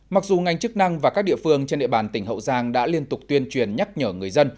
mặc dù ngành chức năng và các địa phương trên địa bàn tỉnh hậu giang đã liên tục tuyên truyền nhắc nhở người dân